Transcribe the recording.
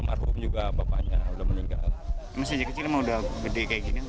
masa kecil emang sudah gede kayak gini